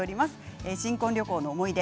新婚旅行の思い出。